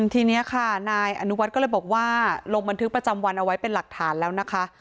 ทีนี้ค่ะนายอนุวัฒน์ก็เลยบอกว่าลงบันทึกประจำวันเอาไว้เป็นหลักฐานแล้วนะคะ